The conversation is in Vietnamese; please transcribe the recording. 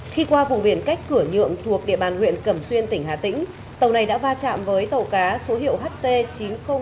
khi qua vùng biển cách cửa nhượng thuộc địa bàn huyện cầm xuyên tỉnh hà tĩnh tàu này đã va chạm với tàu cá số hiệu ht chín mươi nghìn hai trăm năm mươi năm ts